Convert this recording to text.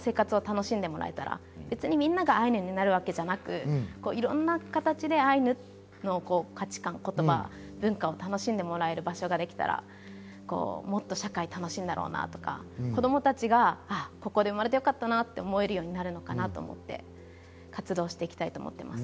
そのぐらいいろんな価値感を持っているアイヌという所を通じていろんな生活を楽しんでもらえたら、みんながアイヌになるわけじゃなく、いろんな形でアイヌの価値観、言葉、文化を楽しんでもらえる場所ができたら、もっと社会楽しいんだろうなとか、子供たちがここで生まれてよかったなと思えるようになるのかなと思って活動していきたいと思います。